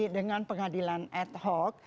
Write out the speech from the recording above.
dengan pengadilan ad hoc